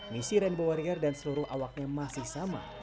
misi rainbow warrior dan seluruh awaknya masih sama